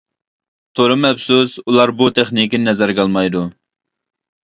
-تولىمۇ ئەپسۇس، ئۇلار بۇ تېخنىكىنى نەزەرگە ئالمايدۇ.